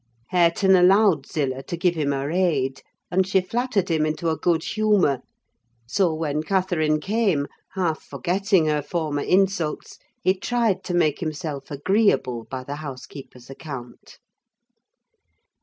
Hareton allowed Zillah to give him her aid; and she flattered him into a good humour; so, when Catherine came, half forgetting her former insults, he tried to make himself agreeable, by the housekeeper's account.